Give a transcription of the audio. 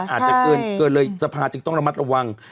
อาจจะเกินเลยสภาจึงต้องระมัดระวัง